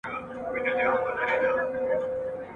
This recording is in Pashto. په هغه ورځ د قیامت په ننداره سي `